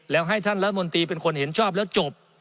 แล้วให้ท่านรัฐมนตรีเป็นคนเห็นชอบแล้วจบ